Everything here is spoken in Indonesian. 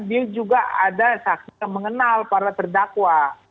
dia juga ada saksi yang mengenal para terdakwa